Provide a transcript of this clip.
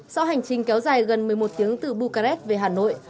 sau hành trình kéo dài gần một mươi một tiếng từ bucharest về hà nội